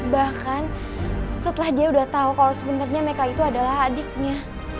bahkan setelah dia udah tahu kalau sebenarnya mereka itu adalah adiknya